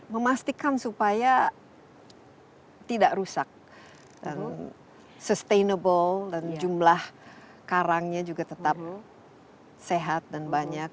memastikan supaya tidak rusak dan sustainable dan jumlah karangnya juga tetap sehat dan banyak